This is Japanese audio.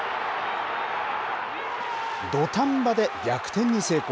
土壇場で逆転に成功。